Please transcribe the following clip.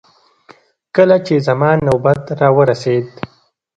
کله چې زما نوبت راورسېد.